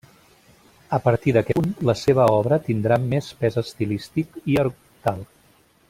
A partir d'aquest punt, la seva obra tindrà més pes estilístic i argumental.